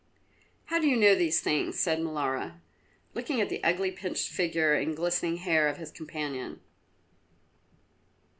"How do you know these things?" asked Molara, looking at the ugly pinched figure and glistening hair of his companion.